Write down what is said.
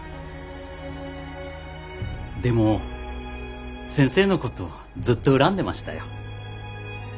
でも先生のことずっと恨んでましたよ。